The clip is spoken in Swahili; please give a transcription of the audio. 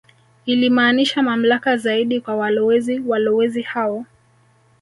Ilimaanisha mamlaka zaidi kwa walowezi Walowezi hao